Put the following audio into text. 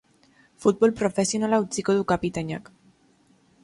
Futbol profesionala utziko du kapitainak.